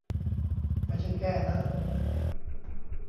ไม่ใช่แก้นะ